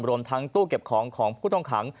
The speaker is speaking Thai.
รวมทั้งตู้เก็บของของผู้ต้องขัง